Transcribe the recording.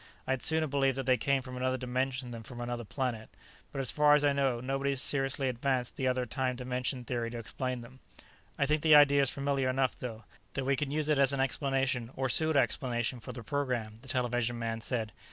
I'd sooner believe that they came from another dimension than from another planet. But, as far as I know, nobody's seriously advanced this other time dimension theory to explain them." "I think the idea's familiar enough, though, that we can use it as an explanation, or pseudo explanation, for the program," the television man said.